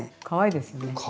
かわいいですよね。